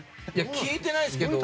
聞いてないですけど。